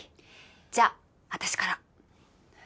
じゃ私から！